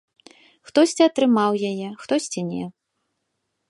Хтосьці атрымаў яе, хтосьці не.